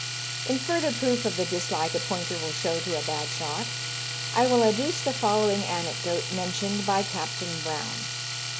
In further proof of the dislike a pointer will show to a bad shot, I will adduce the following anecdote mentioned by Captain Brown.